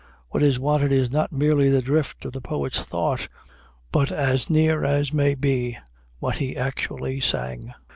What is wanted is not merely the drift of the poet's thought, but, as near as may be, what he actually sang.